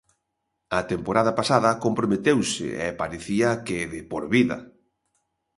A temporada pasada comprometeuse e parecía que de por vida.